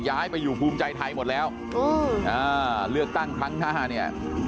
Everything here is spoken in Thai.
ย้ายไปอยู่ภูมิใจไทยหมดแล้วเลือกตั้งครั้งหน้าเนี่ย